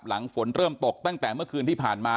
หลังฝนเริ่มตกตั้งแต่เมื่อคืนที่ผ่านมา